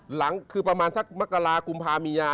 หลังคือประมาณสักมกรากุมภามีนา